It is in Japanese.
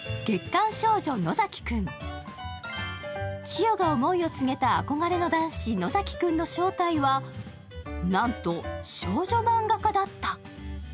千代が思いを告げた憧れの男子、野崎くんの正体はなんと少女漫画家だった。